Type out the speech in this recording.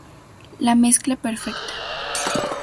La mezcla perfecta.